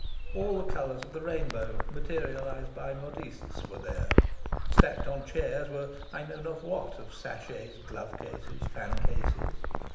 All the colours of the rainbow, materialised by modistes, were there. Stacked on chairs were I know not what of sachets, glove cases, fan cases.